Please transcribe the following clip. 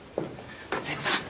聖子さん